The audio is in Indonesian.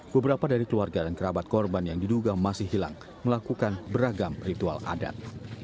beberapa dari keluarga dan kerabat korban yang diduga masih hilang melakukan beragam ritual adat